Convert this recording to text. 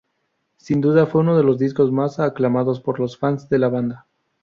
Sin duda, fue uno de los discos más aclamados por los fans de la banda.